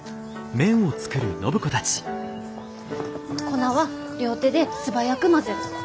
粉は両手で素早く混ぜる。